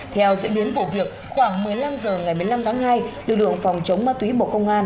theo dự biến phổ biệt khoảng một mươi năm h ngày một mươi năm tháng hai lực lượng phòng chống ma túy bộ công an